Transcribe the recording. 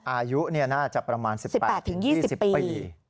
อายุน่าจะประมาณ๑๘๒๐ปี